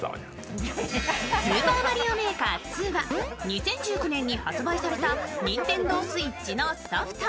「スーパーマリオメーカー２」は２０１９年に発売されたＮｉｎｔｅｎｄｏＳｗｉｔｃｈのソフト。